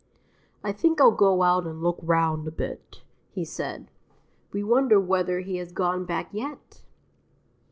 "I think I'll go out and look round a bit," he said. We wonder whether he has gone back yet?